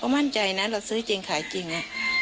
เราก็มั่นใจนะเราซื้อจริงขายจริงน่ะ